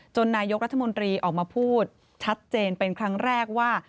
นายกรัฐมนตรีออกมาพูดชัดเจนเป็นครั้งแรกว่า